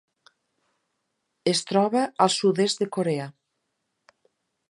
Es troba al sud-est de Corea.